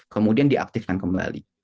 kemudian diaktifkan kembali